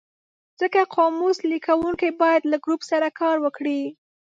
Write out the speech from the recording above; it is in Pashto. ځکه قاموس لیکونکی باید له ګروپ سره کار وکړي.